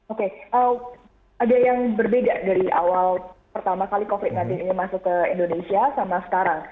oke ada yang berbeda dari awal pertama kali covid sembilan belas ini masuk ke indonesia sama sekarang